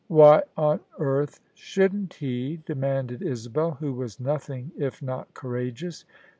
"Why on earth shouldn't he?" demanded Isabel, who was nothing if not courageous.